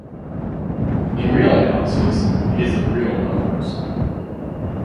In real analysis, it is the real numbers.